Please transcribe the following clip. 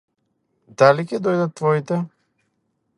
Дали ќе дојдат твоите?